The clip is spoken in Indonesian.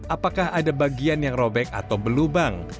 apakah ada bagian yang robek atau berlubang